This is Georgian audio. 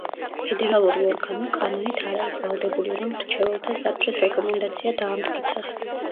ფედერალური ორგანო კანონით არ არის ვალდებული, რომ მრჩეველთა საბჭოს რეკომენდაცია დაამტკიცოს.